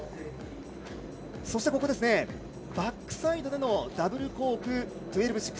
そして、バックサイドでのダブルコーク１２６０。